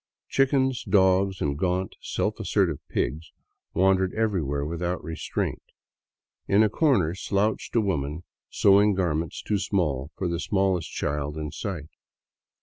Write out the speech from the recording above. Chickens, dogs, and gaunt, self assertive pigs wandered every where without restraint. In a corner slouched a woman sewing gar ments too small for the smallest child in sight.